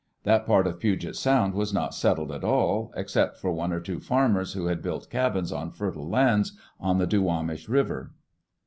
That part of Puget Sound was not settled at all, except for one or two farmers who had built cabins on fertile lands on the Duwanish River.